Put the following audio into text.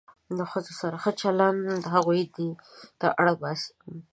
له ښځو سره ښه چلند هغوی دې ته اړ باسي.